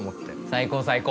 最高最高。